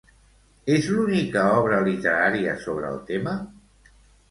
És l'única obra literària sobre el tema?